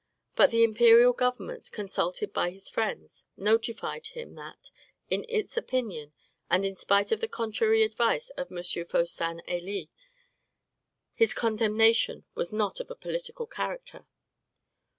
But the imperial government, consulted by his friends, notified him that, in its opinion, and in spite of the contrary advice of M. Faustin Helie, his condemnation was not of a political character.